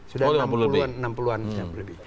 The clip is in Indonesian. sudah enam puluh an lebih